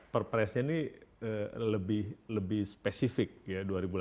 perpresnya ini lebih spesifik ya